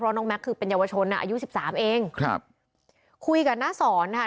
เพราะน้องแม็กซ์คือเป็นเยาวชนอ่ะอายุสิบสามเองครับคุยกับน้าศรนะฮะ